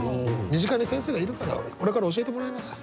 身近に先生がいるからこれから教えてもらいなさい。